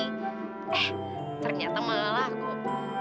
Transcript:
eh ternyata malah aku